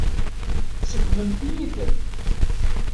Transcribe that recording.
Tseggmemt-iyi-ten.